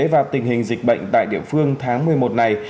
và tình hình dịch bệnh tại địa phương tháng một mươi một này